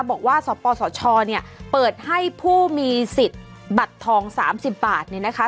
บอกว่าสปสชเนี่ยเปิดให้ผู้มีสิทธิ์บัตรทอง๓๐บาทเนี่ยนะคะ